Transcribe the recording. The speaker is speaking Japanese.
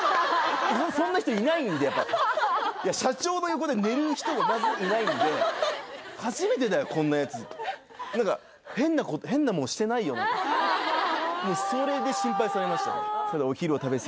そんな人いないんで社長の横で寝る人がまずいないんで「初めてだよこんなヤツ」何か「変なモノしてないよね？」とかそれで心配されましたね